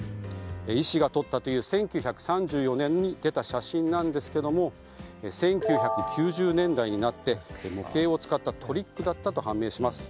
医師が撮ったという１９３４年に出た写真なんですが１９９０年代になって模型を使ったトリックだったと判明します。